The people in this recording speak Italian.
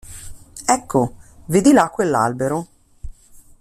Ecco, vedi là quell'albero?